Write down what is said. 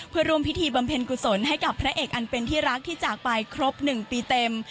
เพื่อร่วมพิธีบำเพ็ญกุศลให้กับพระเอกอันเป็นที่รักที่จากไปครบ๑ปีเต็ม